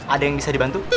ada yang bisa dibantu